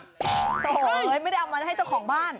โอ้โหไม่ได้เอามาให้เจ้าของบ้าน